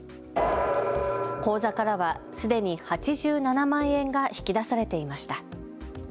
口座からはすでに８７万円が引き出されていました。